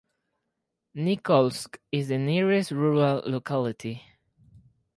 Nikolsk is the nearest rural locality.